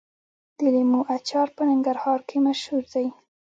د لیمو اچار په ننګرهار کې مشهور دی.